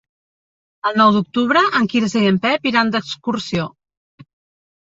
El nou d'octubre en Quirze i en Pep iran d'excursió.